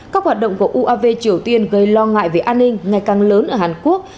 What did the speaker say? các hoạt động của uav triều tiên gây lo ngại về an ninh ngày càng lớn ở hàn quốc